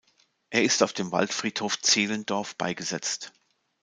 Er ist auf dem Waldfriedhof Zehlendorf beigesetzt.